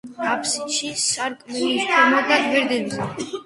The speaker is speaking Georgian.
აფსიდში, სარკმლის ქვემოთ და გვერდებზე.